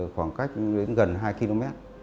khoảng cách đến gần hai km